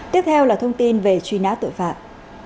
tiếp theo là thông tin về truy nã tội phạm